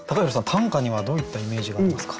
短歌にはどういったイメージがありますか？